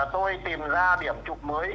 tôi tìm ra điểm chụp mới